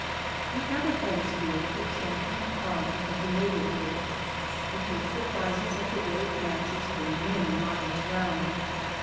We have at Holmesfield the champion ploughman of the neigh borhood, who takes the prizes at the village nlatches for many miles round.